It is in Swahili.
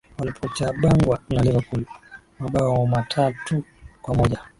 walipochabangwa na liverpool mambao matatu kwa moja